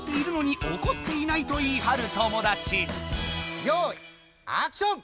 お題はよいアクション！